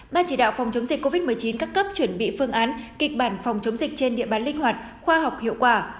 ban chỉ đạo phòng chống dịch covid một mươi chín các cấp chuẩn bị phương án kịch bản phòng chống dịch trên địa bàn linh hoạt khoa học hiệu quả